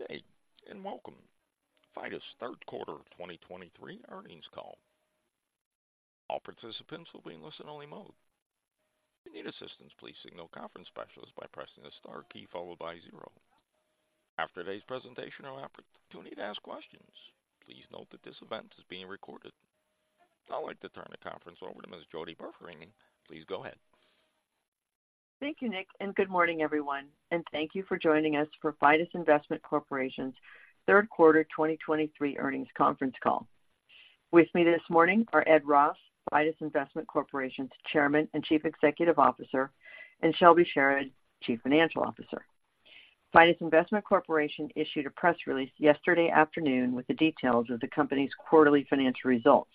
Good day, and welcome to Fidus' Third Quarter 2023 Earnings call. All participants will be in listen-only mode. If you need assistance, please signal conference specialist by pressing the star key followed by zero. After today's presentation, you'll have opportunity to ask questions. Please note that this event is being recorded. I'd like to turn the conference over to Ms. Jody Burfening. Please go ahead. Thank you, Nick, and good morning, everyone, and thank you for joining us for Fidus Investment Corporation's third quarter 2023 earnings conference call. With me this morning are Ed Ross, Fidus Investment Corporation's Chairman and Chief Executive Officer, and Shelby Sherard, Chief Financial Officer. Fidus Investment Corporation issued a press release yesterday afternoon with the details of the company's quarterly financial results.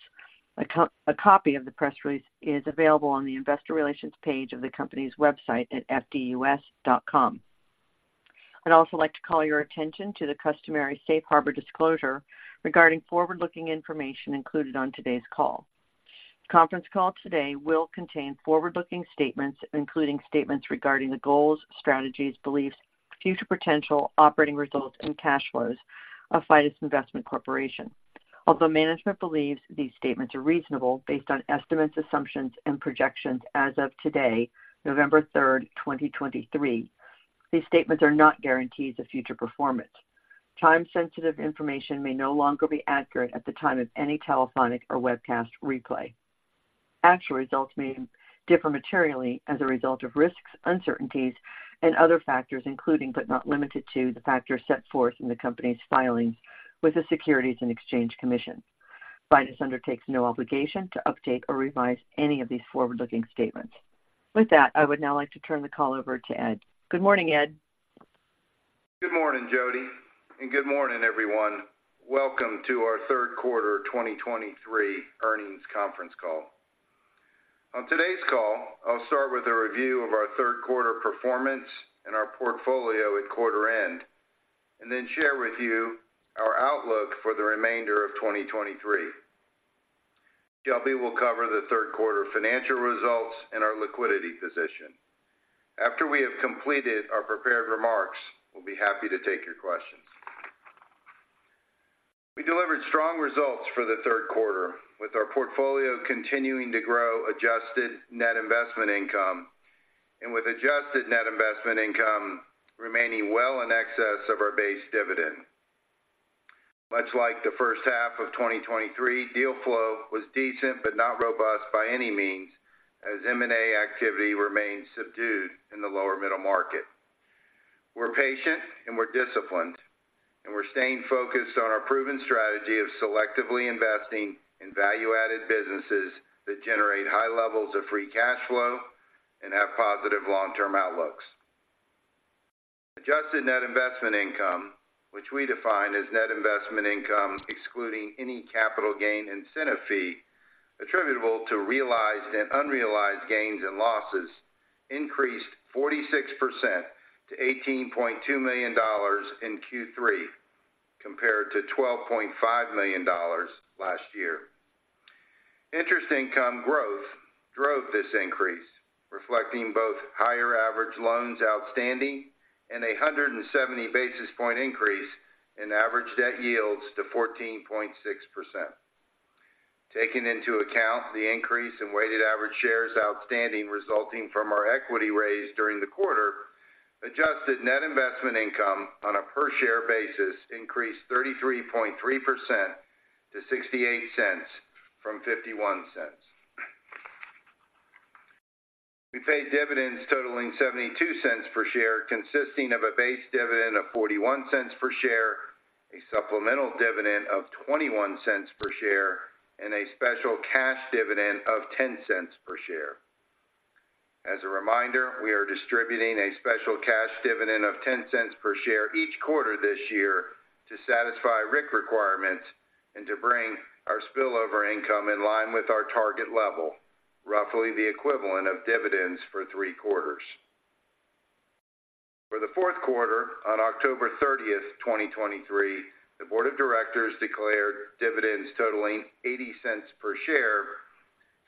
A copy of the press release is available on the investor relations page of the company's website at fdus.com. I'd also like to call your attention to the customary safe harbor disclosure regarding forward-looking information included on today's call. The conference call today will contain forward-looking statements, including statements regarding the goals, strategies, beliefs, future potential, operating results, and cash flows of Fidus Investment Corporation. Although management believes these statements are reasonable, based on estimates, assumptions, and projections as of today, November 3, 2023, these statements are not guarantees of future performance. Time-sensitive information may no longer be accurate at the time of any telephonic or webcast replay. Actual results may differ materially as a result of risks, uncertainties, and other factors, including, but not limited to, the factors set forth in the company's filings with the Securities and Exchange Commission. Fidus undertakes no obligation to update or revise any of these forward-looking statements. With that, I would now like to turn the call over to Ed. Good morning, Ed. Good morning, Jody, and good morning, everyone. Welcome to our third quarter 2023 earnings conference call. On today's call, I'll start with a review of our third quarter performance and our portfolio at quarter end, and then share with you our outlook for the remainder of 2023. Shelby will cover the third quarter financial results and our liquidity position. After we have completed our prepared remarks, we'll be happy to take your questions. We delivered strong results for the third quarter, with our portfolio continuing to grow adjusted net investment income, and with adjusted net investment income remaining well in excess of our base dividend. Much like the first half of 2023, deal flow was decent but not robust by any means, as M&A activity remained subdued in the lower middle market. We're patient and we're disciplined, and we're staying focused on our proven strategy of selectively investing in value-added businesses that generate high levels of free cash flow and have positive long-term outlooks. Adjusted net investment income, which we define as net investment income, excluding any capital gain incentive fee attributable to realized and unrealized gains and losses, increased 46% to $18.2 million in Q3, compared to $12.5 million last year. Interest income growth drove this increase, reflecting both higher average loans outstanding and a 170 basis point increase in average debt yields to 14.6%. Taking into account the increase in weighted average shares outstanding resulting from our equity raise during the quarter, adjusted net investment income on a per-share basis increased 33.3% to $0.68 from $0.51. We paid dividends totaling $0.72 per share, consisting of a base dividend of $0.41 per share, a supplemental dividend of $0.21 per share, and a special cash dividend of $0.10 per share. As a reminder, we are distributing a special cash dividend of $0.10 per share each quarter this year to satisfy RIC requirements and to bring our spillover income in line with our target level, roughly the equivalent of dividends for three quarters. For the fourth quarter, on October 30, 2023, the board of directors declared dividends totaling $0.80 per share,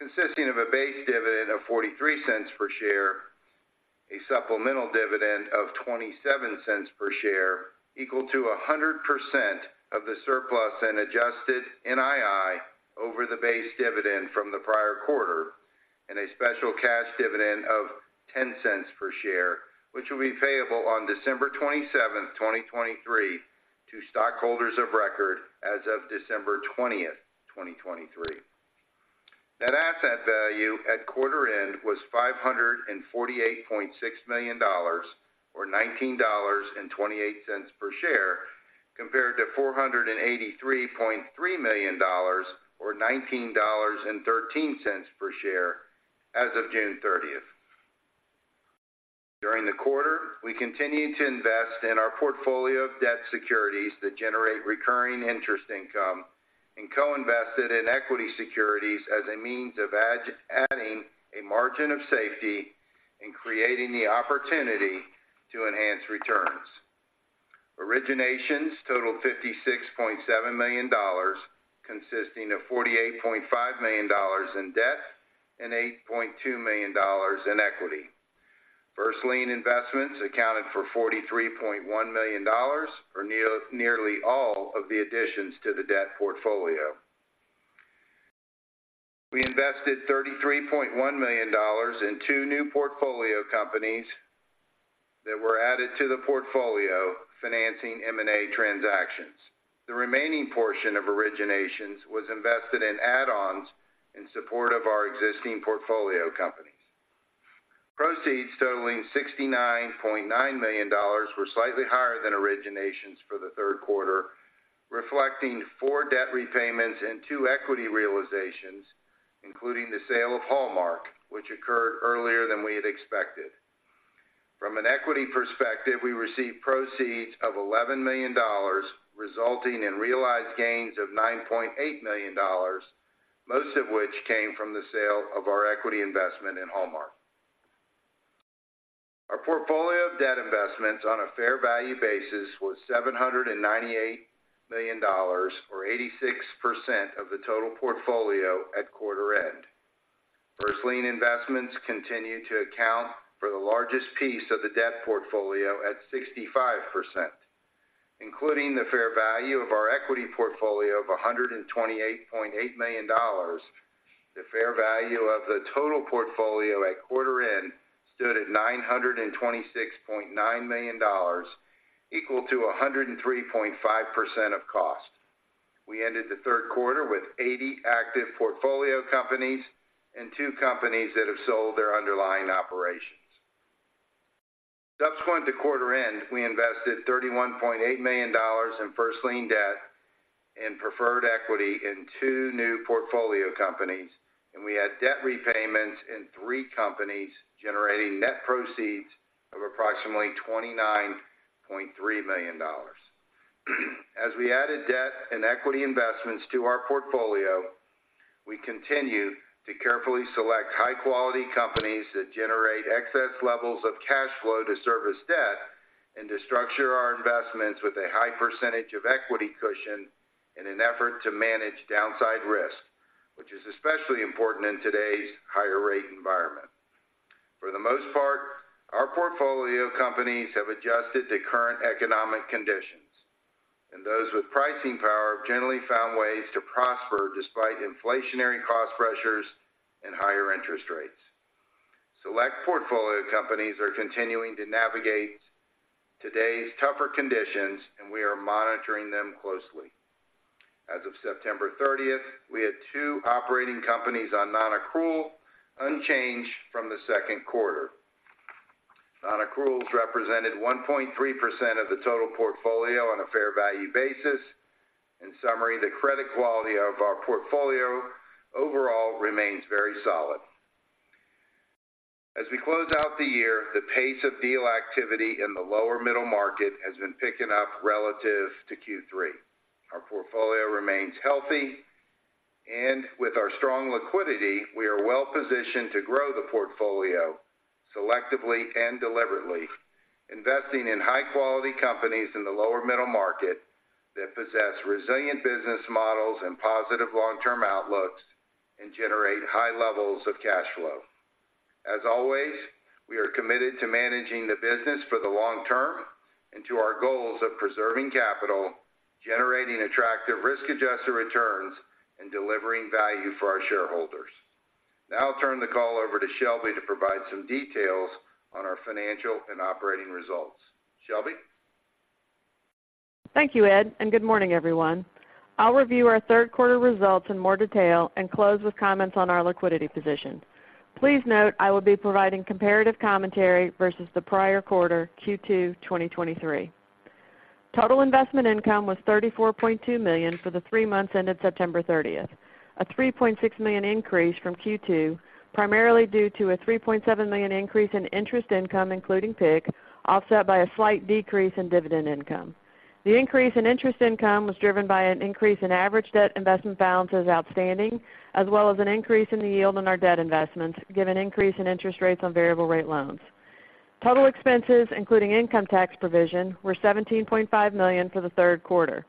consisting of a base dividend of $0.43 per share, a supplemental dividend of $0.27 per share, equal to 100% of the surplus in adjusted NII over the base dividend from the prior quarter, and a special cash dividend of $0.10 per share, which will be payable on December 27, 2023, to stockholders of record as of December 20, 2023. Net asset value at quarter end was $548.6 million, or $19.28 per share, compared to $483.3 million, or $19.13 per share as of June 30. During the quarter, we continued to invest in our portfolio of debt securities that generate recurring interest income and co-invested in equity securities as a means of adding a margin of safety and creating the opportunity to enhance returns. Originations totaled $56.7 million, consisting of $48.5 million in debt and $8.2 million in equity. First Lien investments accounted for $43.1 million, nearly all of the additions to the debt portfolio. We invested $33.1 million in two new portfolio companies that were added to the portfolio, financing M&A transactions. The remaining portion of originations was invested in add-ons in support of our existing portfolio companies. Proceeds totaling $69.9 million were slightly higher than originations for the third quarter, reflecting four debt repayments and two equity realizations, including the sale of Hallmark, which occurred earlier than we had expected. From an equity perspective, we received proceeds of $11 million, resulting in realized gains of $9.8 million, most of which came from the sale of our equity investment in Hallmark. Our portfolio of debt investments on a fair value basis was $798 million, or 86% of the total portfolio at quarter end. First lien investments continue to account for the largest piece of the debt portfolio at 65%, including the fair value of our equity portfolio of $128.8 million. The fair value of the total portfolio at quarter end stood at $926.9 million, equal to 103.5% of cost. We ended the third quarter with 80 active portfolio companies and 2 companies that have sold their underlying operations. Subsequent to quarter end, we invested $31.8 million in first lien debt and preferred equity in two new portfolio companies, and we had debt repayments in three companies, generating net proceeds of approximately $29.3 million. As we added debt and equity investments to our portfolio, we continue to carefully select high-quality companies that generate excess levels of cash flow to service debt, and to structure our investments with a high % of equity cushion in an effort to manage downside risk, which is especially important in today's higher rate environment. For the most part, our portfolio companies have adjusted to current economic conditions, and those with pricing power have generally found ways to prosper despite inflationary cost pressures and higher interest rates. Select portfolio companies are continuing to navigate today's tougher conditions, and we are monitoring them closely. As of September 30, we had two operating companies on nonaccrual, unchanged from the second quarter. Nonaccruals represented 1.3% of the total portfolio on a fair value basis. In summary, the credit quality of our portfolio overall remains very solid. As we close out the year, the pace of deal activity in the lower middle market has been picking up relative to Q3. Our portfolio remains healthy, and with our strong liquidity, we are well-positioned to grow the portfolio selectively and deliberately, investing in high-quality companies in the lower middle market that possess resilient business models and positive long-term outlooks and generate high levels of cash flow. As always, we are committed to managing the business for the long term and to our goals of preserving capital, generating attractive risk-adjusted returns, and delivering value for our shareholders. Now I'll turn the call over to Shelby to provide some details on our financial and operating results. Shelby? Thank you, Ed, and good morning, everyone. I'll review our third quarter results in more detail and close with comments on our liquidity position. Please note, I will be providing comparative commentary versus the prior quarter, Q2 2023. Total investment income was $34.2 million for the three months ended September thirtieth, a $3.6 million increase from Q2, primarily due to a $3.7 million increase in interest income, including PIK, offset by a slight decrease in dividend income. The increase in interest income was driven by an increase in average debt investment balances outstanding, as well as an increase in the yield on our debt investments, given increase in interest rates on variable rate loans. Total expenses, including income tax provision, were $17.5 million for the third quarter,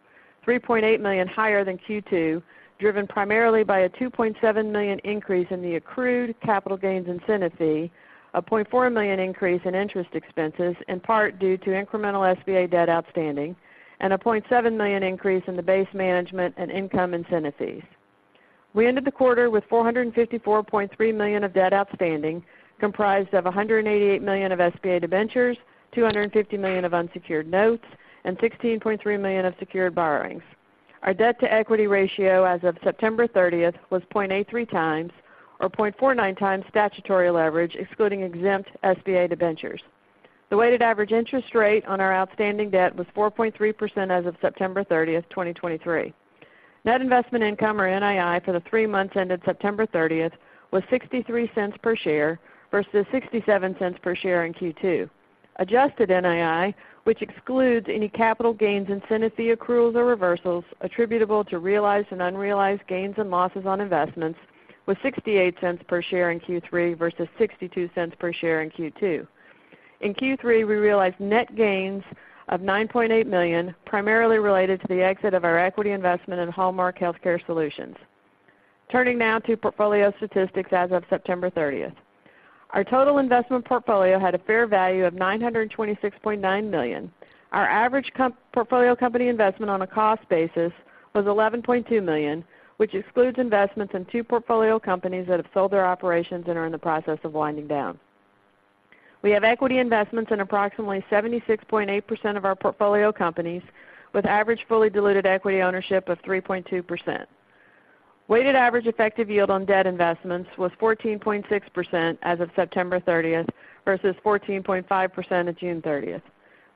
$3.8 million higher than Q2, driven primarily by a $2.7 million increase in the accrued capital gains incentive fee, a $0.4 million increase in interest expenses, in part due to incremental SBA debt outstanding, and a $0.7 million increase in the base management and income incentive fees. We ended the quarter with $454.3 million of debt outstanding, comprised of $188 million of SBA debentures, $250 million of unsecured notes, and $16.3 million of secured borrowings. Our debt-to-equity ratio as of September 30 was 0.83 times or 0.49 times statutory leverage, excluding exempt SBA debentures. The weighted average interest rate on our outstanding debt was 4.3% as of September thirtieth, 2023. Net investment income, or NII, for the three months ended September thirtieth was $0.63 per share versus $0.67 per share in Q2. Adjusted NII, which excludes any capital gains, incentive fee accruals or reversals attributable to realized and unrealized gains and losses on investments, was $0.68 per share in Q3 versus $0.62 per share in Q2.... In Q3, we realized net gains of $9.8 million, primarily related to the exit of our equity investment in Hallmark Health Care Solutions. Turning now to portfolio statistics as of September thirtieth. Our total investment portfolio had a fair value of $926.9 million. Our average portfolio company investment on a cost basis was $11.2 million, which excludes investments in 2 portfolio companies that have sold their operations and are in the process of winding down. We have equity investments in approximately 76.8% of our portfolio companies, with average fully diluted equity ownership of 3.2%. Weighted average effective yield on debt investments was 14.6% as of September thirtieth versus 14.5% at June thirtieth.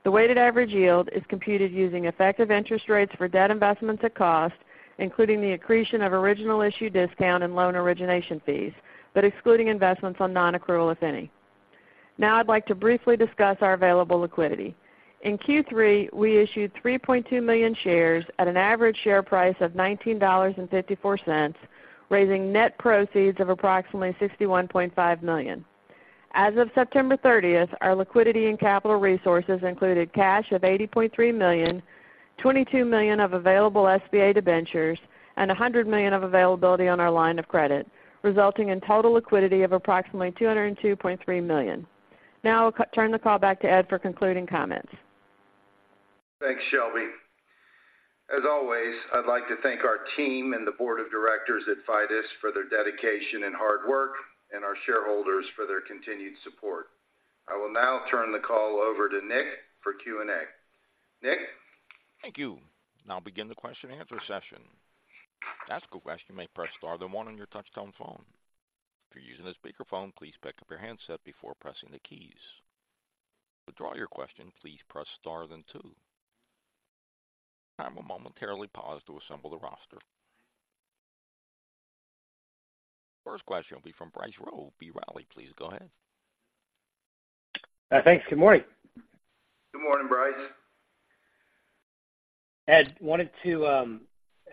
The weighted average yield is computed using effective interest rates for debt investments at cost, including the accretion of original issue discount and loan origination fees, but excluding investments on nonaccrual, if any. Now I'd like to briefly discuss our available liquidity. In Q3, we issued 3.2 million shares at an average share price of $19.54, raising net proceeds of approximately $61.5 million. As of September thirtieth, our liquidity and capital resources included cash of $80.3 million, $22 million of available SBA debentures, and $100 million of availability on our line of credit, resulting in total liquidity of approximately $202.3 million. Now I'll turn the call back to Ed for concluding comments. Thanks, Shelby. As always, I'd like to thank our team and the board of directors at Fidus for their dedication and hard work and our shareholders for their continued support. I will now turn the call over to Nick for Q&A. Nick? Thank you. Now begin the question and answer session. To ask a question, you may press star then one on your touchtone phone. If you're using a speakerphone, please pick up your handset before pressing the keys. To withdraw your question, please press star then two. I will momentarily pause to assemble the roster. First question will be from Bryce Rowe, B. Riley. Please go ahead. Thanks. Good morning. Good morning, Bryce. Ed, wanted to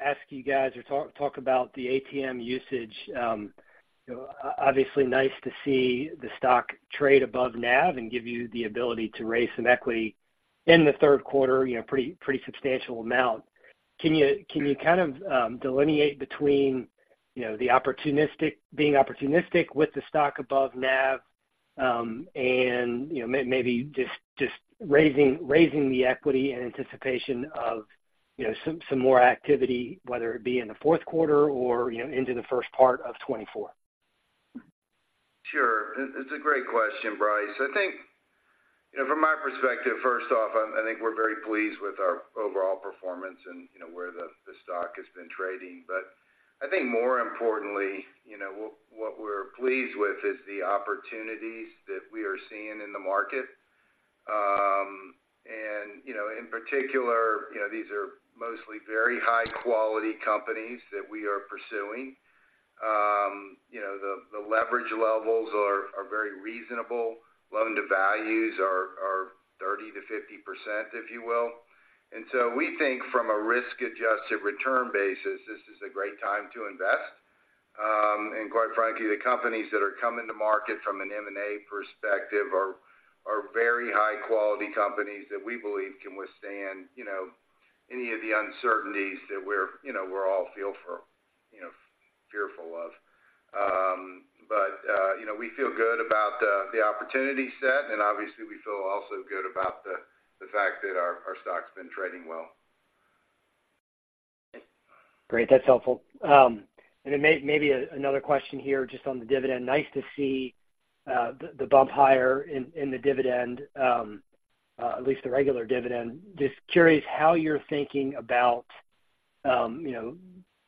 ask you guys or talk about the ATM usage. Obviously nice to see the stock trade above NAV and give you the ability to raise some equity in the third quarter, you know, pretty substantial amount. Can you kind of delineate between, you know, the opportunistic being opportunistic with the stock above NAV, and, you know, maybe just raising the equity in anticipation of, you know, some more activity, whether it be in the fourth quarter or, you know, into the first part of 2024? Sure. It's a great question, Bryce. I think, you know, from my perspective, first off, I think we're very pleased with our overall performance and, you know, where the stock has been trading. But I think more importantly, you know, what we're pleased with is the opportunities that we are seeing in the market. And, you know, in particular, you know, these are mostly very high-quality companies that we are pursuing. You know, the leverage levels are very reasonable. Loan to values are 30%-50%, if you will. And so we think from a risk-adjusted return basis, this is a great time to invest. Quite frankly, the companies that are coming to market from an M&A perspective are very high-quality companies that we believe can withstand, you know, any of the uncertainties that we're all fearful of, you know. But you know, we feel good about the opportunity set, and obviously we feel also good about the fact that our stock's been trading well. Great, that's helpful. And then maybe another question here just on the dividend. Nice to see the bump higher in the dividend, at least the regular dividend. Just curious how you're thinking about, you know,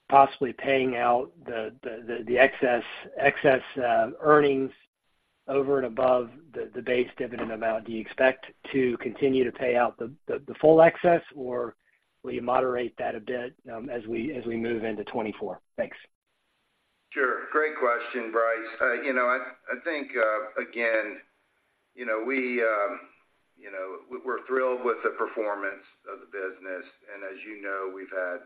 possibly paying out the excess earnings over and above the base dividend amount. Do you expect to continue to pay out the full excess, or will you moderate that a bit, as we move into 2024? Thanks. Sure. Great question, Bryce. You know, I think, again, you know, we're thrilled with the performance of the business, and as you know, we've had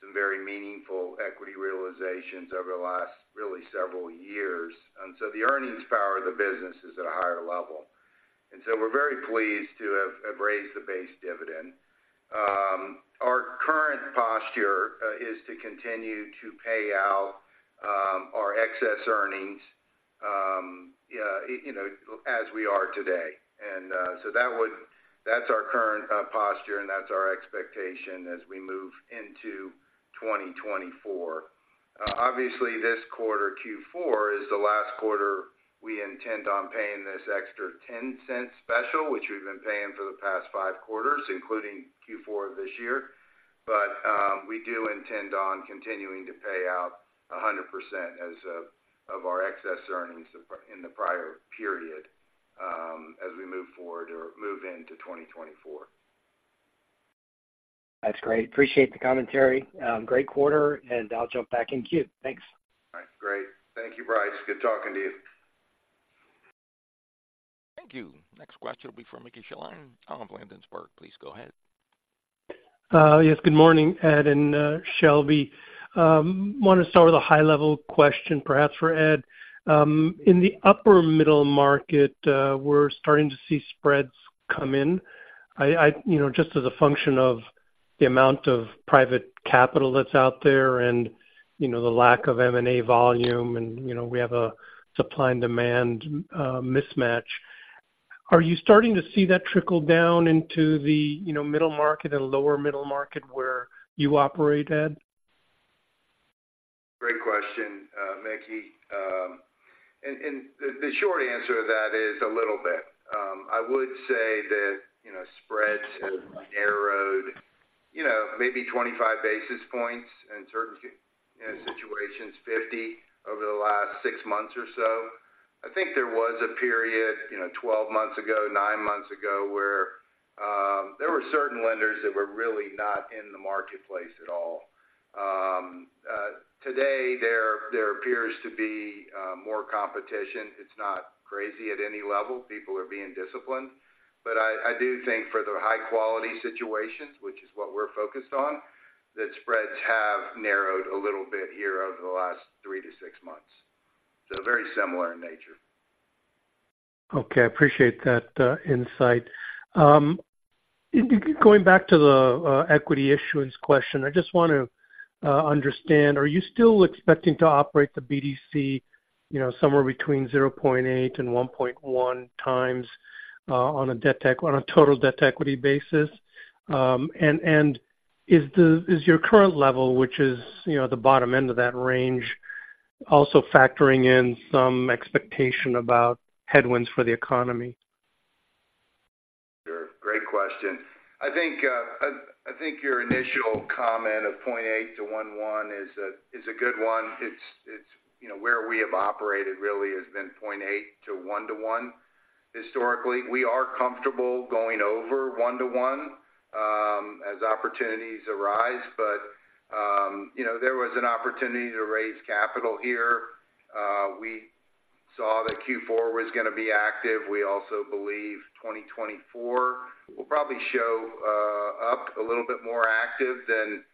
some very meaningful equity realizations over the last, really, several years. And so the earnings power of the business is at a higher level. And so we're very pleased to have raised the base dividend. Our current posture is to continue to pay out our excess earnings, you know, as we are today. And, so that would--that's our current posture, and that's our expectation as we move into 2024. Obviously, this quarter, Q4, is the last quarter we intend on paying this extra $0.10 special, which we've been paying for the past 5 quarters, including Q4 this year. But, we do intend on continuing to pay out 100% of our excess earnings in the prior period, as we move forward or move into 2024. That's great. Appreciate the commentary. Great quarter, and I'll jump back in queue. Thanks. All right, great. Thank you, Bryce. Good talking to you. Thank you. Next question will be from Mickey Schleien of Ladenburg Thalmann. Please go ahead.... Yes, good morning, Ed and, Shelby. Want to start with a high-level question, perhaps for Ed. In the upper middle market, we're starting to see spreads come in. I, you know, just as a function of the amount of private capital that's out there and, you know, the lack of M&A volume, and, you know, we have a supply and demand mismatch. Are you starting to see that trickle down into the, you know, middle market and lower middle market where you operate, Ed? Great question, Mickey. And the short answer to that is a little bit. I would say that, you know, spreads have narrowed, you know, maybe 25 basis points, and certain, you know, situations, 50 over the last six months or so. I think there was a period, you know, 12 months ago, 9 months ago, where there were certain lenders that were really not in the marketplace at all. Today, there appears to be more competition. It's not crazy at any level. People are being disciplined. But I do think for the high-quality situations, which is what we're focused on, that spreads have narrowed a little bit here over the last 3 to 6 months. So very similar in nature. Okay. I appreciate that insight. Going back to the equity issuance question, I just want to understand, are you still expecting to operate the BDC, you know, somewhere between 0.8 and 1.1 times on a debt-to-equity basis? And is your current level, which is, you know, the bottom end of that range, also factoring in some expectation about headwinds for the economy? Sure. Great question. I think your initial comment of 0.8-1.1 is a good one. It's you know, where we have operated really has been 0.8 to 1:1, historically. We are comfortable going over 1:1, as opportunities arise, but you know, there was an opportunity to raise capital here. We saw that Q4 was gonna be active. We also believe 2024 will probably show up a little bit more active than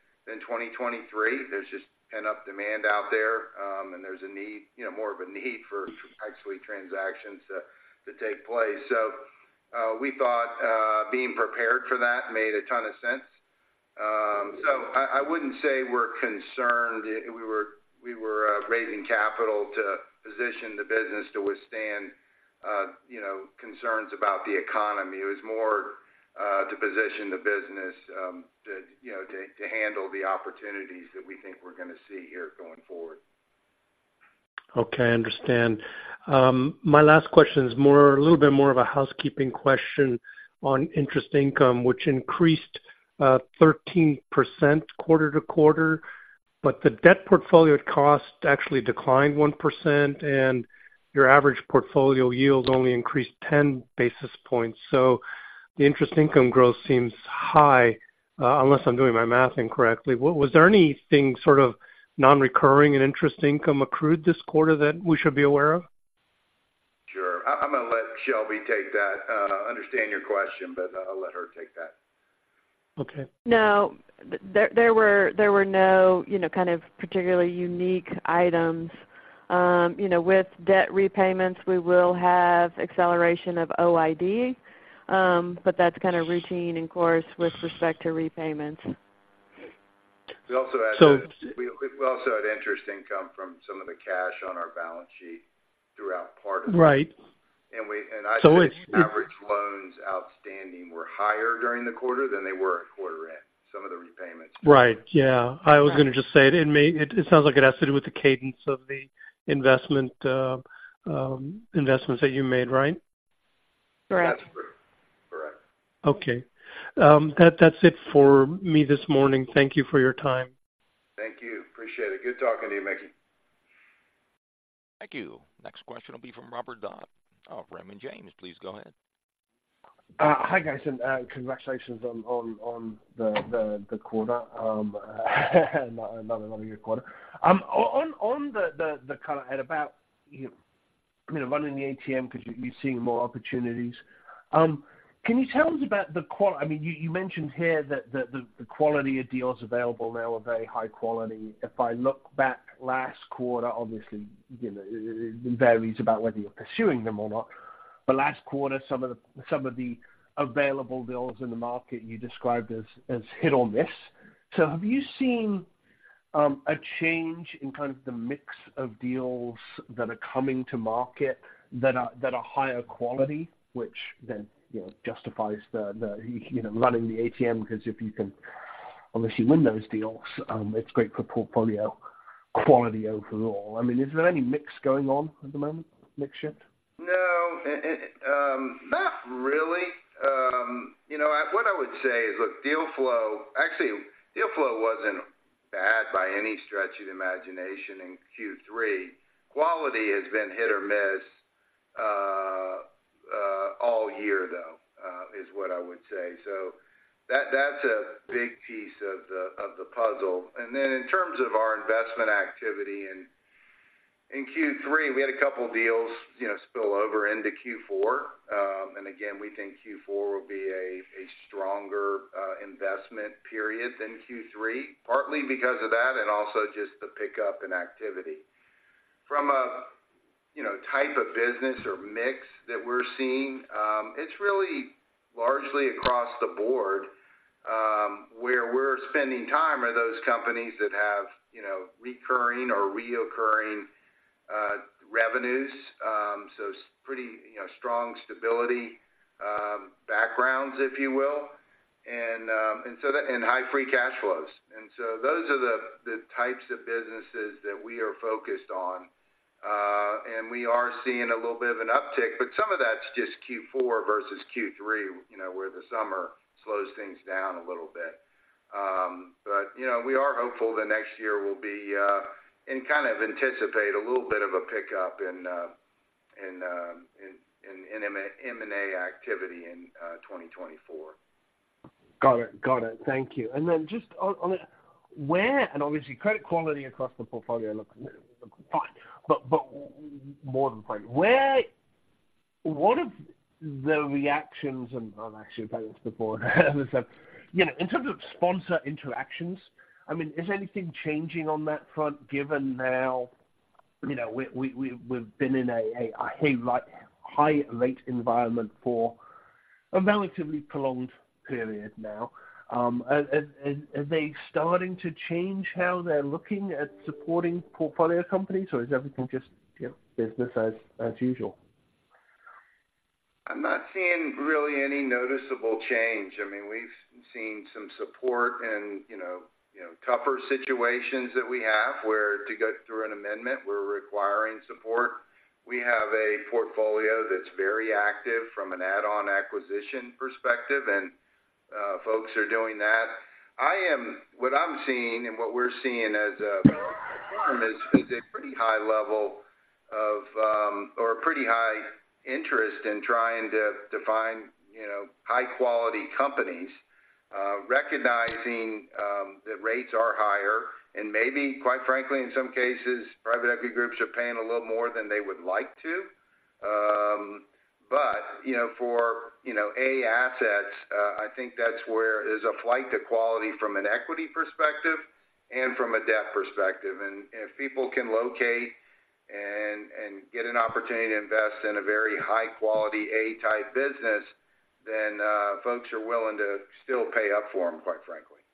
2023. There's just pent-up demand out there, and there's a need, you know, more of a need for actually transactions to take place. So we thought, being prepared for that made a ton of sense. So I wouldn't say we're concerned. We were raising capital to position the business to withstand you know concerns about the economy. It was more to position the business to you know to handle the opportunities that we think we're gonna see here going forward. Okay, I understand. My last question is more, a little bit more of a housekeeping question on interest income, which increased 13% quarter-over-quarter, but the debt portfolio cost actually declined 1%, and your average portfolio yield only increased 10 basis points. So the interest income growth seems high, unless I'm doing my math incorrectly. Was there anything sort of non-recurring in interest income accrued this quarter that we should be aware of? Sure. I, I'm gonna let Shelby take that. I understand your question, but I'll let her take that. Okay. No, there were no, you know, kind of particularly unique items. You know, with debt repayments, we will have acceleration of OID, but that's kind of routine of course with respect to repayments. We also had- So- We also had interest income from some of the cash on our balance sheet throughout part of it. Right. And I think- So it- Average loans outstanding were higher during the quarter than they were at quarter end. Some of the repayments. Right. Yeah. I was gonna just say, it may, it sounds like it has to do with the cadence of the investment, investments that you made, right? Correct. That's correct. Correct. Okay. That, that's it for me this morning. Thank you for your time. Thank you. Appreciate it. Good talking to you, Mickey. Thank you. Next question will be from Robert Dodd of Raymond James. Please go ahead. Hi, guys, and congratulations on the quarter. Another good quarter. Ed, about, you know, running the ATM because you're seeing more opportunities. Can you tell us about the quality? I mean, you mentioned here that the quality of deals available now are very high quality. If I look back last quarter, obviously, you know, it varies about whether you're pursuing them or not. But last quarter, some of the available deals in the market you described as hit or miss. So have you seen a change in kind of the mix of deals that are coming to market that are higher quality, which then, you know, justifies the, you know, running the ATM, because if you can, obviously, win those deals, it's great for portfolio quality overall. I mean, is there any mix going on at the moment? Mix shift? No, not really. You know, what I would say is, look, deal flow -- actually, deal flow wasn't bad by any stretch of the imagination in Q3. Quality has been hit or miss all year, though, is what I would say. So that, that's a big piece of the puzzle. And then in terms of our investment activity and... In Q3, we had a couple of deals, you know, spill over into Q4. And again, we think Q4 will be a stronger investment period than Q3, partly because of that, and also just the pickup in activity. From a, you know, type of business or mix that we're seeing, it's really largely across the board. Where we're spending time are those companies that have, you know, recurring or reoccurring revenues. So pretty, you know, strong stability, backgrounds, if you will, and, and so that and high free cash flows. And so those are the, the types of businesses that we are focused on. And we are seeing a little bit of an uptick, but some of that's just Q4 versus Q3, you know, where the summer slows things down a little bit. But, you know, we are hopeful that next year will be. And kind of anticipate a little bit of a pickup in M&A activity in 2024. Got it. Got it. Thank you. And then just on where and obviously, credit quality across the portfolio looks fine. But more than fine, what are the reactions, and I've actually asked before, you know, in terms of sponsor interactions, I mean, is anything changing on that front, given now, you know, we've been in a high rate environment for a relatively prolonged period now? And are they starting to change how they're looking at supporting portfolio companies, or is everything just, you know, business as usual? I'm not seeing really any noticeable change. I mean, we've seen some support and, you know, you know, tougher situations that we have, where to go through an amendment, we're requiring support. We have a portfolio that's very active from an add-on acquisition perspective, and, folks are doing that. What I'm seeing and what we're seeing as a, is a pretty high level of, or a pretty high interest in trying to define, you know, high-quality companies, recognizing, that rates are higher, and maybe, quite frankly, in some cases, private equity groups are paying a little more than they would like to. But, you know, for, you know, A assets, I think that's where there's a flight to quality from an equity perspective and from a debt perspective. And if people can locate and get an opportunity to invest in a very high-quality A-type business, then folks are willing to still pay up for them, quite frankly.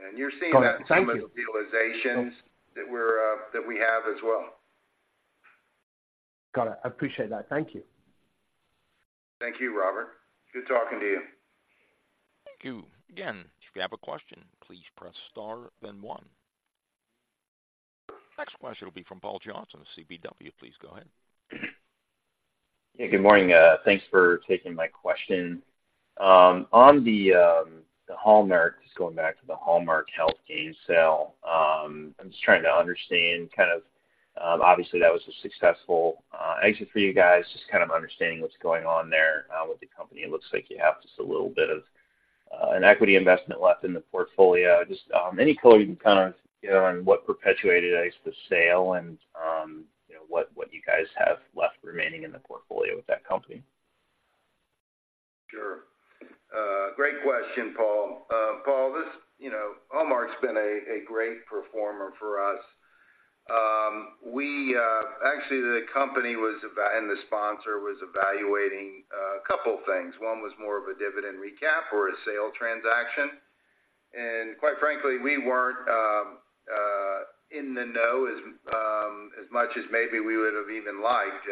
And you're seeing that- Got it. Thank you. Some of the realizations that we have as well. Got it. I appreciate that. Thank you. Thank you, Robert. Good talking to you. Thank you. Again, if you have a question, please press star, then one. Next question will be from Paul Johnson, KBW. Please go ahead. Yeah, good morning, thanks for taking my question. On the Hallmark, just going back to the Hallmark Health Care sale, I'm just trying to understand kind of, obviously, that was a successful, actually, for you guys, just kind of understanding what's going on there, with the company. It looks like you have just a little bit of an equity investment left in the portfolio. Just any color you can count on, you know, on what perpetuated, I guess, the sale and, you know, what you guys have left remaining in the portfolio with that company? Sure. Great question, Paul. Paul, this, you know, Hallmark's been a great performer for us. Actually, the company and the sponsor was evaluating a couple of things. One was more of a dividend recap or a sale transaction. And quite frankly, we weren't in the know as much as maybe we would have even liked.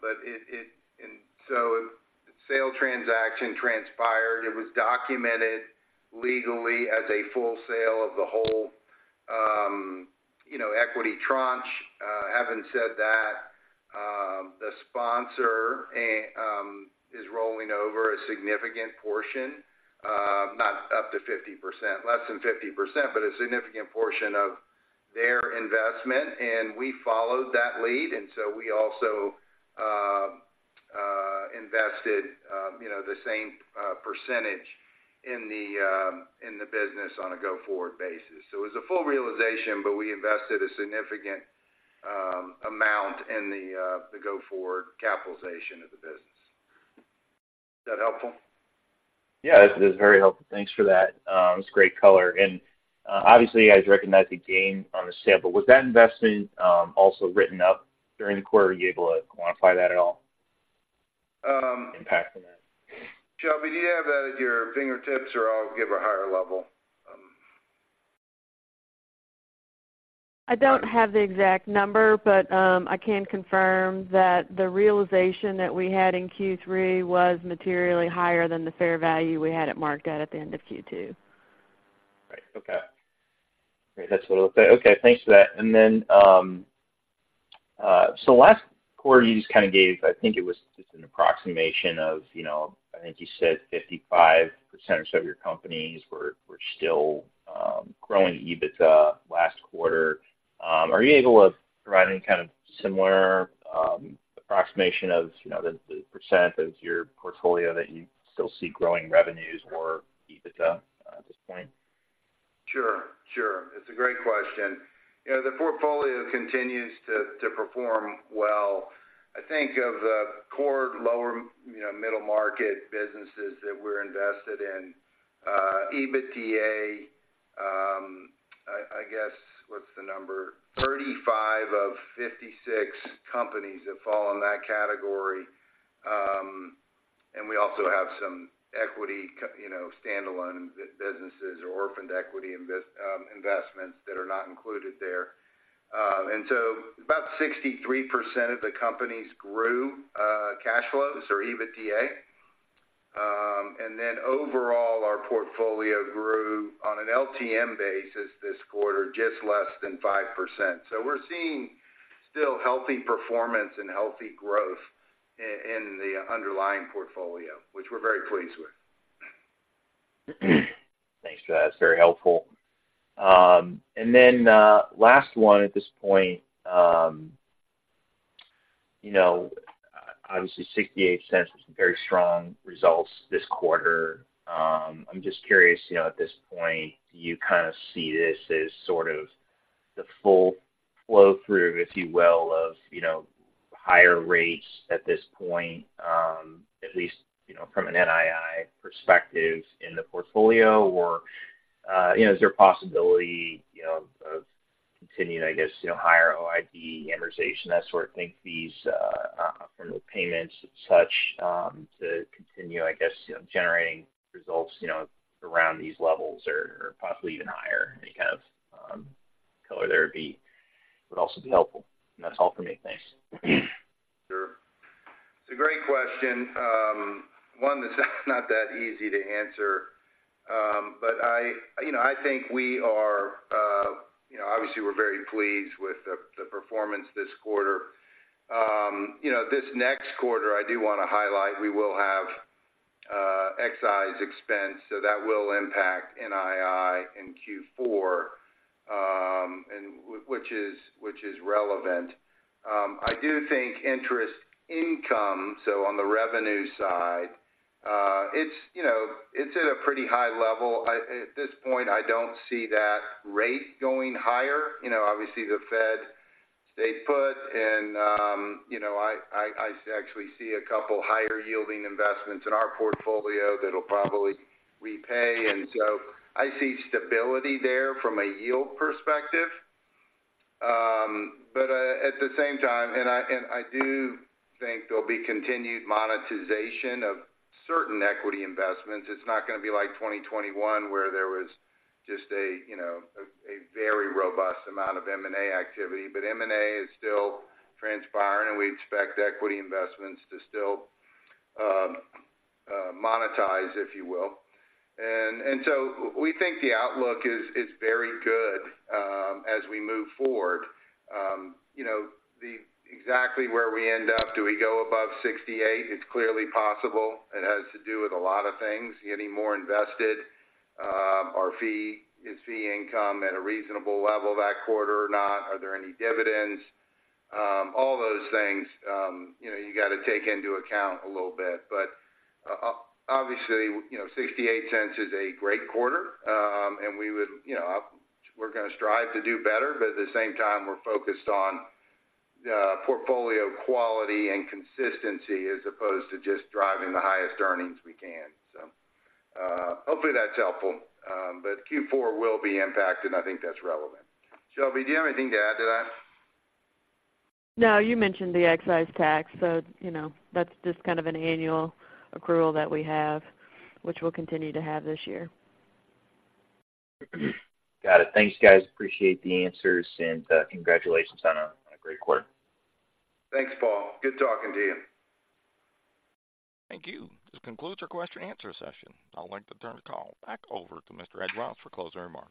But it... And so the sale transaction transpired. It was documented legally as a full sale of the whole, you know, equity tranche. Having said that, the sponsor is rolling over a significant portion, not up to 50%, less than 50%, but a significant portion of their investment, and we followed that lead, and so we also invested, you know, the same percentage in the in the business on a go-forward basis. So it was a full realization, but we invested a significant amount in the the go-forward capitalization of the business. Is that helpful? Yeah, that's very helpful. Thanks for that. It's great color. And, obviously, you guys recognize the gain on the sale, but was that investment also written up during the quarter? Were you able to quantify that at all? Um- Impact from that. Shelby, do you have that at your fingertips, or I'll give a higher level? I don't have the exact number, but, I can confirm that the realization that we had in Q3 was materially higher than the fair value we had it marked at, at the end of Q2. Right. Okay. Great. That's what I would say. Okay, thanks for that. And then, so last quarter, you just kind of gave, I think it was just an approximation of, you know, I think you said 55% or so of your companies were still growing EBITDA last quarter. Are you able to provide any kind of similar approximation of, you know, the percent of your portfolio that you still see growing revenues or EBITDA?... Sure, sure. It's a great question. You know, the portfolio continues to perform well. I think of the core lower, you know, middle market businesses that we're invested in, EBITDA. I guess, what's the number? 35 of 56 companies that fall in that category. And we also have some equity, you know, standalone businesses or orphaned equity investments that are not included there. And so about 63% of the companies grew cash flows or EBITDA. And then overall, our portfolio grew on an LTM basis this quarter, just less than 5%. So we're seeing still healthy performance and healthy growth in the underlying portfolio, which we're very pleased with. Thanks for that. It's very helpful. And then, last one at this point, you know, obviously, $0.68 was some very strong results this quarter. I'm just curious, you know, at this point, do you kind of see this as sort of the full flow through, if you will, of, you know, higher rates at this point, at least, you know, from an NII perspective in the portfolio? Or, you know, is there a possibility, you know, of continuing, I guess, you know, higher OID amortization, that sort of thing, fees, from the payments and such, to continue, I guess, you know, generating results, you know, around these levels or, or possibly even higher? Any kind of color there would be, would also be helpful. And that's all for me. Thanks. Sure. It's a great question. One that's not that easy to answer. But you know, I think we are, you know, obviously, we're very pleased with the performance this quarter. You know, this next quarter, I do want to highlight, we will have excise expense, so that will impact NII in Q4, and which is relevant. I do think interest income, so on the revenue side, it's, you know, it's at a pretty high level. At this point, I don't see that rate going higher. You know, obviously, the Fed stayed put, and you know, I actually see a couple higher yielding investments in our portfolio that'll probably repay. And so I see stability there from a yield perspective. But, at the same time, and I do think there'll be continued monetization of certain equity investments. It's not going to be like 2021, where there was just a, you know, a very robust amount of M&A activity, but M&A is still transpiring, and we expect equity investments to still monetize, if you will. And so we think the outlook is very good, as we move forward. You know, exactly where we end up, do we go above 68? It's clearly possible. It has to do with a lot of things, getting more invested. Our fee income is at a reasonable level that quarter or not? Are there any dividends? All those things, you know, you got to take into account a little bit. Obviously, you know, $0.68 is a great quarter, and we would, you know, we're going to strive to do better, but at the same time, we're focused on portfolio quality and consistency, as opposed to just driving the highest earnings we can. So, hopefully, that's helpful. But Q4 will be impacted, and I think that's relevant. Shelby, do you have anything to add to that? No, you mentioned the excise tax, so, you know, that's just kind of an annual accrual that we have, which we'll continue to have this year. Got it. Thanks, guys. Appreciate the answers, and congratulations on a great quarter. Thanks, Paul. Good talking to you. Thank you. This concludes our question and answer session. I'd like to turn the call back over to Mr. Ed Ross for closing remarks.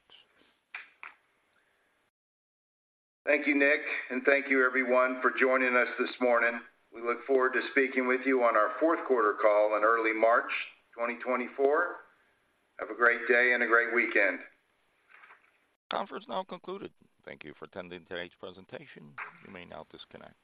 Thank you, Nick, and thank you, everyone, for joining us this morning. We look forward to speaking with you on our fourth quarter call in early March 2024. Have a great day and a great weekend. Conference now concluded. Thank you for attending today's presentation. You may now disconnect.